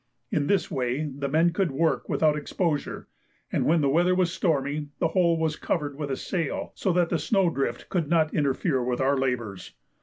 In this way the men could work without exposure, and when the weather was stormy the hole was covered with a sail, so that the snow drift could not interfere with our labours.